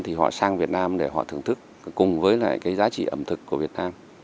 thì họ sang việt nam để họ thưởng thức cùng với lại cái giá trị ẩm thực của việt nam